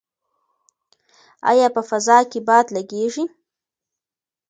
ایا په فضا کې باد لګیږي؟